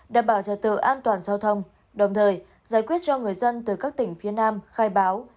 đảm bảo trật tự an toàn giao thông đồng thời giải quyết cho người dân từ các tỉnh phía nam khai báo